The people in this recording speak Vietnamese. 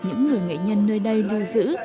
những người nghệ nhân nơi đây lưu giữ